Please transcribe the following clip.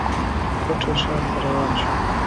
کوټې ښار ته روان شو.